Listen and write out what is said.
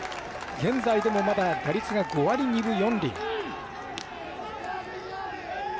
現在でもまだ打率が５割２分４厘。